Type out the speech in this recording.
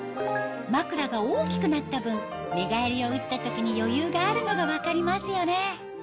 まくらが大きくなった分寝返りを打った時に余裕があるのが分かりますよね